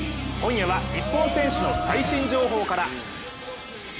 今夜は日本選手の最新情報から。